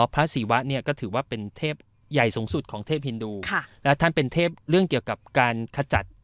ศรีวะเนี่ยก็ถือว่าเป็นเทพใหญ่สูงสุดของเทพฮินดูและท่านเป็นเทพเรื่องเกี่ยวกับการขจัด